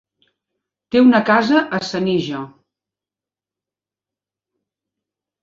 Té una casa a Senija.